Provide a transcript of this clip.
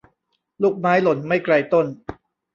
ลูกไม้หล่นไม่ไกลต้น